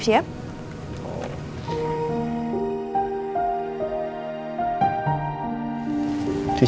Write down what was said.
sisir lagi dong dikit